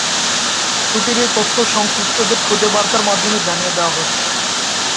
ছুটির এই তথ্য সংশ্লিষ্টদের খুদে বার্তার মাধ্যমে জানিয়ে দেওয়া হচ্ছে।